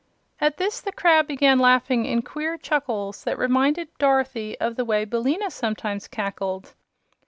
At this the crab began laughing in queer chuckles that reminded Dorothy of the way Billina sometimes cackled.